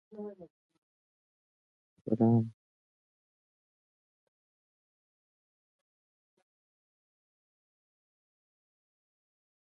د ټاکلو مسووليت يې پر غاړه اخىستى.